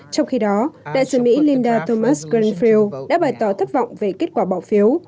trong khi đó đại sứ mỹ linda thomas granfield đã bày tỏ thất vọng về kết quả bỏ phiếu